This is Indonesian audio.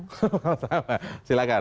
malah tambah silakan